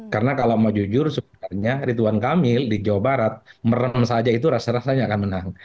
karena kalau mau jujur sebenarnya ritwan kamil di jawa barat merem saja itu rasanya akan menang